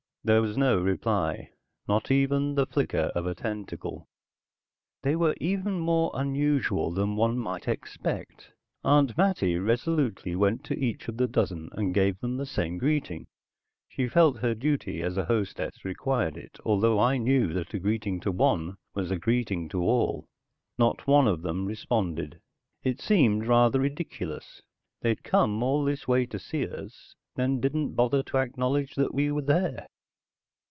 There was no reply, not even the flicker of a tentacle. They were even more unusual than one might expect. Aunt Mattie resolutely went to each of the dozen and gave the same greeting. She felt her duty as a hostess required it, although I knew that a greeting to one was a greeting to all. Not one of them responded. It seemed rather ridiculous. They'd come all this way to see us, then didn't bother to acknowledge that we were there.